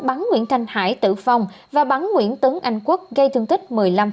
bắn nguyễn thanh hải tử phong và bắn nguyễn tấn anh quốc gây thương tích một mươi năm